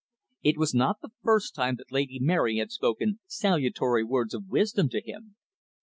It was not the first time that Lady Mary had spoken salutary words of wisdom to him.